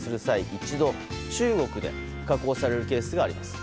一度、中国で加工されるケースがあります。